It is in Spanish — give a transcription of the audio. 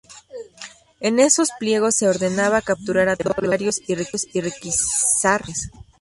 En esos pliegos se ordenaba capturar a todos los templarios y requisar sus bienes.